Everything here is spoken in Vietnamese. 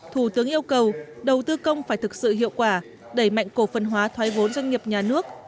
thủ tướng yêu cầu đầu tư công phải thực sự hiệu quả đẩy mạnh cổ phần hóa thoái vốn doanh nghiệp nhà nước